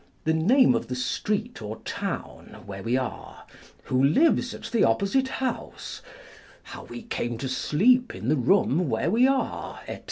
the name of the street or town where we are, wrho lives at the opposite house, how we came to sleep in the room where we are, &c.